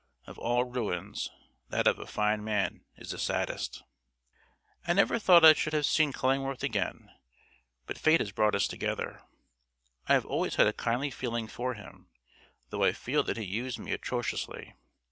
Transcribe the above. Of all ruins, that of a fine man is the saddest. I never thought I should have seen Cullingworth again, but fate has brought us together. I have always had a kindly feeling for him, though I feel that he used me atrociously.